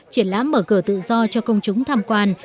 triển lãm mở cửa tự do cho công chúng tham quan